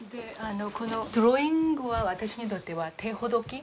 このドローイングは私にとっては手ほどき。